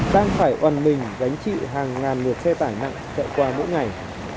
đang phải oàn mình gánh trị hàng ngàn lượt xe tải nặng chạy qua mỗi ngày